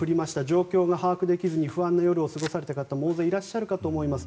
状況が把握できずに不安な夜を過ごされた方も大勢いらっしゃると思います。